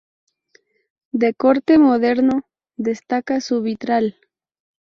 De corte moderno, destaca su vitral.